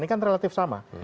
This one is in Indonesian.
ini kan relatif sama